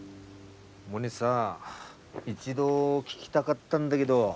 モネさ一度聞きたがったんだげど。